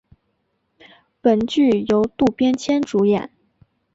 本剧由渡边谦主演。